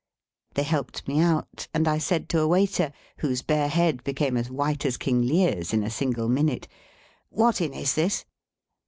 They helped me out, and I said to a waiter, whose bare head became as white as King Lear's in a single minute, "What Inn is this?"